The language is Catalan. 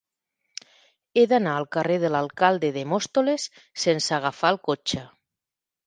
He d'anar al carrer de l'Alcalde de Móstoles sense agafar el cotxe.